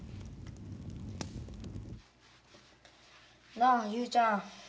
なあ雄ちゃん。